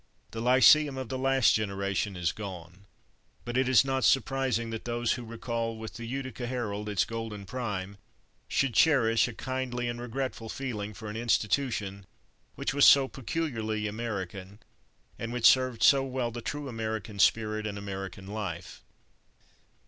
The lyceum of the last generation is gone, but it is not surprising that those who recall with the Utica Herald its golden prime should cherish a kindly and regretful feeling for an institution which was so peculiarly American, and which served so well the true American spirit and American life.